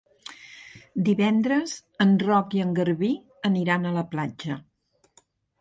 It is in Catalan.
Divendres en Roc i en Garbí aniran a la platja.